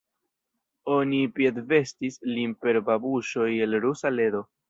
Oni piedvestis lin per babuŝoj el Rusa ledo.